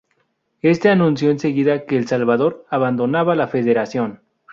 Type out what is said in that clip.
Éste anunció enseguida que El Salvador abandonaba la Federación.